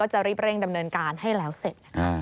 จะรีบเร่งดำเนินการให้แล้วเสร็จ